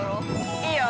◆いいよ。